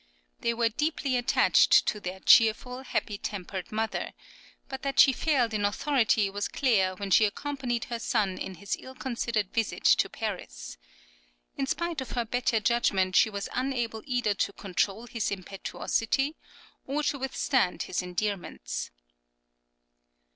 They were deeply attached to their cheerful, happy tempered mother; but that she failed in authority was clear when she accompanied her son in his ill considered visit to Paris. In spite of her better judgment she was unable either to control his impetuosity or to withstand his endearments.